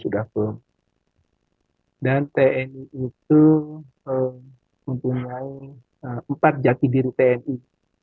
dan tni itu mempunyai empat jati diri tni